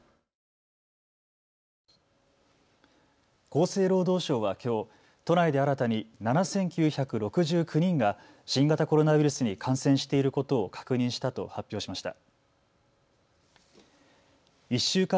厚生労働省はきょう都内で新たに７９６９人が新型コロナウイルスに感染していることを確認したと発表しました。